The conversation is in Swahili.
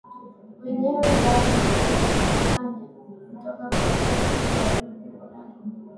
wenyewe bali hukusanya kutoka kwa vidudu wadudu na